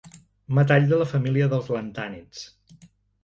Metall de la família dels lantànids.